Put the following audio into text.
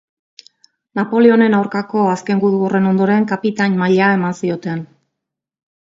Napoleonen aurkako azken gudu horren ondoren kapitain maila eman zioten.